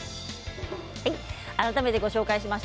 改めてご紹介します。